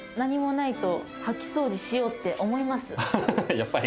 やっぱり。